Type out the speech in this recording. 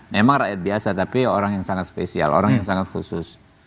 memang rakyat biasa tapi orang yang sangat spesial orang yang sangat khusus